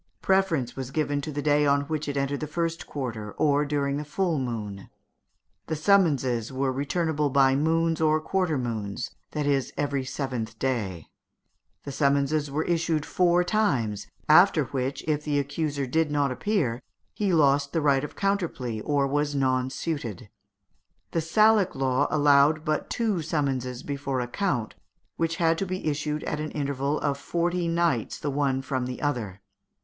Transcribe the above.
Preference was given to the day on which it entered the first quarter, or during the full moon; the summonses were returnable by moons or quarter moons that is, every seventh day. The summons was issued four times, after which, if the accused did not appear, he lost the right of counterplea, or was nonsuited. The Salic law allowed but two summonses before a count, which had to be issued at an interval of forty nights the one from the other.